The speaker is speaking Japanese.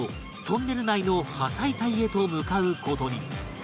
トンネル内の破砕帯へと向かう事に